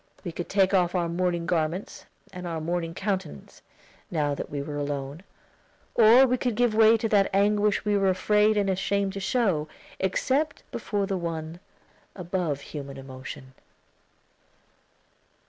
We could take off our mourning garments and our mourning countenance, now that we were alone; or we could give way to that anguish we are afraid and ashamed to show, except before the One above human emotion.